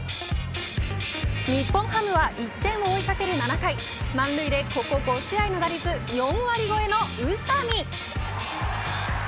日本ハムは１点を追いかける７回満塁でここ５試合の打率４割超えの宇佐見。